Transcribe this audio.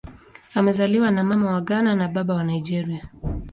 Amezaliwa na Mama wa Ghana na Baba wa Nigeria.